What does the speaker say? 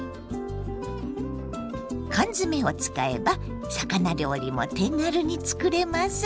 缶詰を使えば魚料理も手軽に作れます。